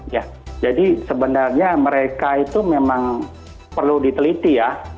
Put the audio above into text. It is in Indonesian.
ya jadi sebenarnya mereka itu memang perlu diteliti ya